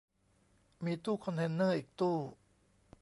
มีตู้คอนเทนเนอร์อีกตู้